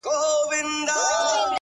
څه یې مسجد دی څه یې آذان دی’